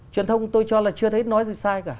truyền thông tôi cho là chưa thấy nói gì sai cả